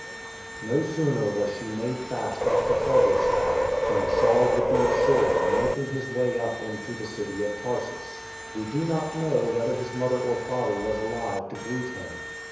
No sooner was she made fast at the harbour side, than Saul would be ashore and making his way up into the City of Tarsus. We do not know whether his mother or father was alive to greet him.